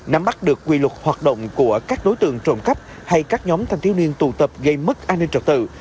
nắm bắt được quy luật hoạt động của các đối tượng trộm cắp hay các nhóm thanh thiếu niên tụ tập gây mất an ninh trật tự